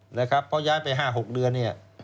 เพราะย้ายไป๕๖เดือนเนี่ย